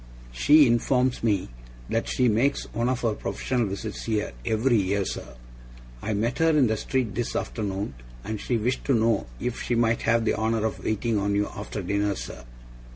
She informs me that she makes one of her professional visits here, every year, sir. I met her in the street this afternoon, and she wished to know if she might have the honour of waiting on you after dinner, sir.